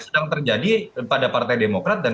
sedang terjadi pada partai demokrat dan